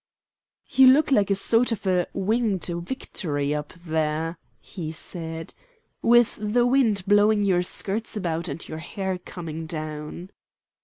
"You look like a sort of a 'Winged Victory' up there," he said, "with the wind blowing your skirts about and your hair coming down."